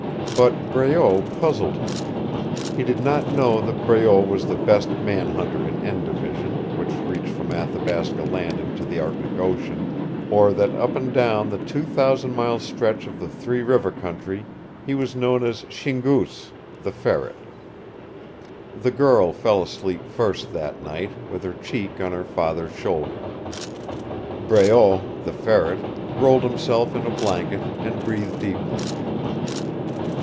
But Breault puzzled him. He did not know that Breault was the best man hunter in "N" Division, which reached from Athabasca Landing to the Arctic Ocean, or that up and down the two thousand mile stretch of the Three River Country he was known as Shingoos, the Ferret. The girl fell asleep first that night, with her cheek on her father's shoulder. Breault, the Ferret, rolled himself in a blanket, and breathed deeply.